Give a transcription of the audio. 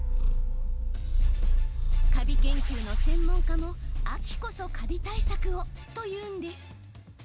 カビ研究の専門家も秋こそカビ対策を！というんです。